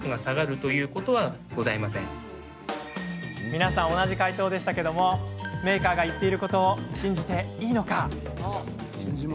皆さん同じ回答だけどメーカーがおっしゃっていることを信じていいのか。